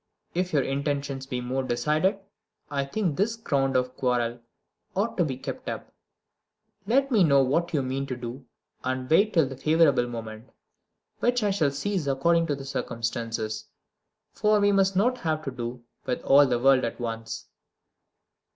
If your intentions be more decided, I think this ground of quarrel ought to be kept up. Let me know what you mean to do, and wait till the favourable moment, which I shall seize according to circumstances; for we must not have to do with all the world at once.